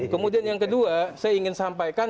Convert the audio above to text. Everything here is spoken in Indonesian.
kemudian yang kedua saya ingin sampaikan